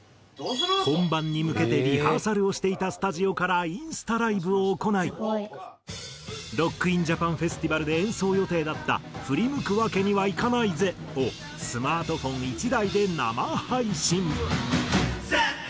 本番に向けてリハーサルをしていたスタジオからインスタライブを行いＲＯＣＫＩＮＪＡＰＡＮＦＥＳＴＩＶＡＬで演奏予定だった『ふりむくわけにはいかないぜ』をスマートフォン１台で生配信。